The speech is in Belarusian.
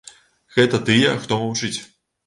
Гэта тыя, хто маўчыць.